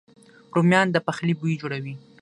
رومیان د پخلي بوی جوړوي